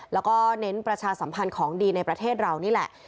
แล้วก็เน้นประชาสัมพันธ์ของดีในประเทศเรานี่แหละ